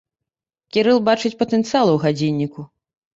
Кірыл бачыць патэнцыял у гадзінніку.